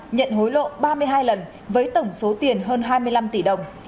nhận hối lộ ba mươi hai lần với tổng số tiền hơn hai mươi năm tỷ đồng